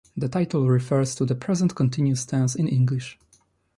The title refers to the present continuous tense in English.